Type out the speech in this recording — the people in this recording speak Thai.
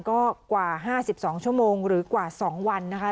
ก็กว่า๕๒ชั่วโมงหรือกว่า๒วันนะคะ